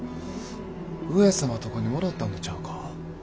上様とこに戻ったんとちゃうか？